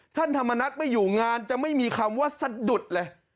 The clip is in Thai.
ท่านธรรมนัฐไม่อยู่งานจะไม่มีคำว่าสะดุดเลย